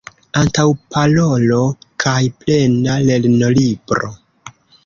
Antaŭparolo kaj plena lernolibro.